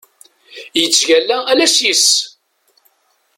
Yettgalla ala s yis-s.